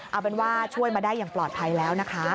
เอาเป็นว่าช่วยมาได้อย่างปลอดภัยแล้วนะคะ